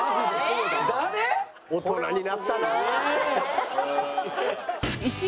大人になったなあ。